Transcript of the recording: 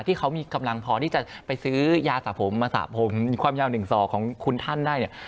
ที่เขามีกำลังพอที่จะไปซื้อยาสระผมมาสระผมความยาวหนึ่งศอกของคุณท่านได้เนี่ย